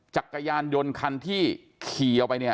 จักรยานยนต์คันที่ขี่ออกไปเนี่ย